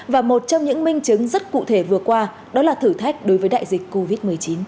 và một trong những minh chứng rất cụ thể vừa qua đó là thử thách đối với đại dịch covid một mươi chín